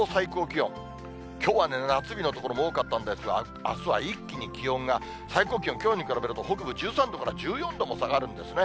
きょうはね、夏日の所も多かったんですが、あすは一気に気温が、最高気温きょうに比べると、北部１３度から１４度も下がるんですね。